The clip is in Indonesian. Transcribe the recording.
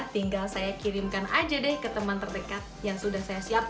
tinggal saya kirimkan aja deh ke teman terdekat yang sudah saya siapkan list listnya